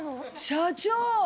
社長！